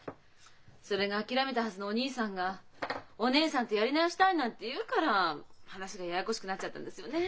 それが諦めたはずのお義兄さんがお義姉さんとやり直したいなんて言うから話がややこしくなっちゃったんですよね。